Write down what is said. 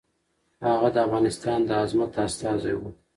هغه د افغانستان د عظمت استازی و.